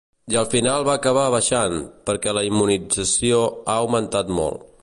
I al final va acabar baixant, perquè la immunització ha augmentat molt.